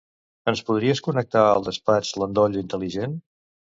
Ens podries connectar al despatx l'endoll intel·ligent?